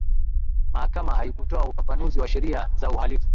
mahakama haikutoa ufafanuzi wa sheria za uhalifu